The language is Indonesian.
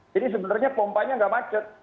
jadi sebenarnya pompanya nggak macet